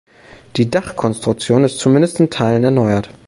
Die Dachkonstruktion ist zumindest in Teilen erneuert.